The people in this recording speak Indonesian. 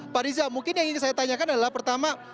pak riza mungkin yang ingin saya tanyakan adalah pertama